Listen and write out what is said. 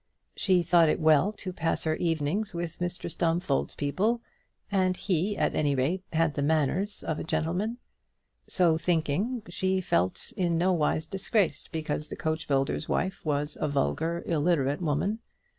She thought it well to pass her evenings with Mr Stumfold's people, and he at any rate had the manners of a gentleman. So thinking, she felt in no wise disgraced because the coachbuilder's wife was a vulgar, illiterate woman.